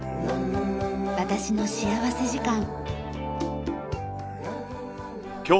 『私の幸福時間』。